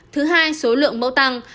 thứ hai số lượng mẫu tăng